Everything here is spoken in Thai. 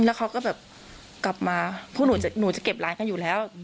แล้วเขาก็แบบกลับมาพวกหนูจะเก็บร้านกันอยู่แล้ว